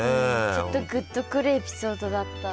ちょっとグッとくるエピソードだった。